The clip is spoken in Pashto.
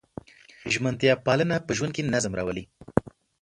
ژمنتیا پالنه په ژوند کې نظم راولي.